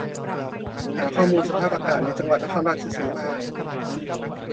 หาข้อมูลสภาพอากาศในจังหวัดนครราชสีมา